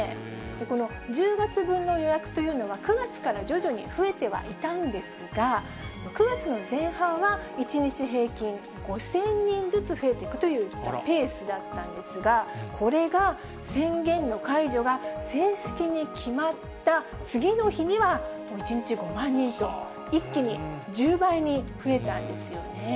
この１０月分の予約というのは、９月から徐々に増えてはいたんですが、９月の前半は１日平均５０００人ずつ増えていくというペースだったんですが、これが宣言の解除が正式に決まった次の日には、もう１日５万人と、一気に１０倍に増えたんですよね。